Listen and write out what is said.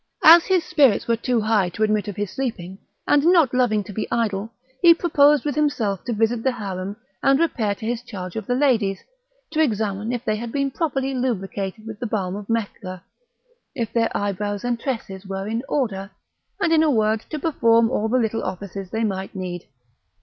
As his spirits were too high to admit of his sleeping, and not loving to be idle, he proposed with himself to visit the harem, and repair to his charge of the ladies, to examine if they had been properly lubricated with the balm of Mecca, if their eyebrows and tresses were in order, and, in a word, to perform all the little offices they might need.